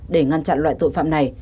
để ngăn chặn loại tội phạm này